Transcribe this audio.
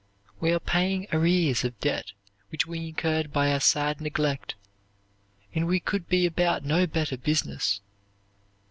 We are paying arrears of debt which we incurred by our sad neglect, and we could be about no better business."